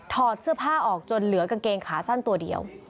ถอดเสื้อผ้าออกจนเหลือกางเกงขาสั้นตัวเดียว